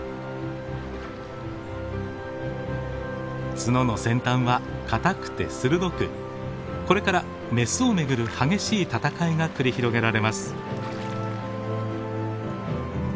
角の先端は固くて鋭くこれからメスを巡る激しい戦いが繰り広げられます。